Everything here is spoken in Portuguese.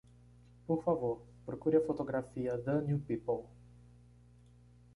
Por favor, procure a fotografia? The New People.